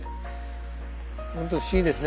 ほんと不思議ですね。